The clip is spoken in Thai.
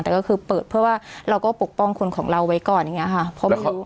แต่ก็คือเปิดเพื่อว่าเราก็ปกป้องคนของเราไว้ก่อนอย่างนี้ค่ะ